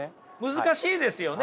難しいですよね？